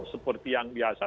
seperti yang biasa